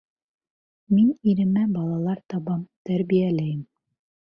Мин иремә балалар табам, тәрбиәләйем.